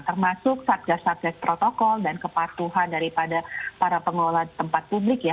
termasuk satgas satgas protokol dan kepatuhan daripada para pengelola tempat publik ya